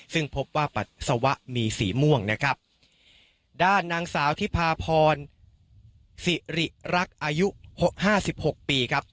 ซึ่งพบว่าปัสสาวะมีสีม่วงนะครับด้านนางสาวทิพาพรสิริรักษ์อายุหกห้าสิบหกปีครับ